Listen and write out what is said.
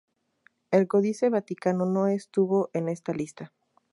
El Códice Vaticano no estuvo en esta lista.